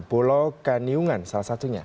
pulau kanyungan salah satunya